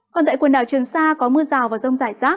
còn tại quần đảo trường sa có mưa rào và rông rải rác